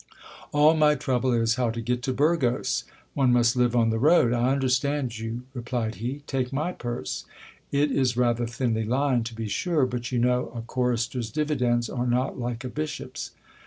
All my trouble is, how to get to Burgos : one must live on the road. I understand you, replied he. Take my purse : it is rather thinly lined, to be sure ; but you know a chorister's dividends are not like a bishop's.